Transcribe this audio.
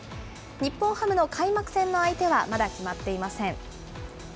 日本ハムの開幕戦の相手はまだ決まっていません。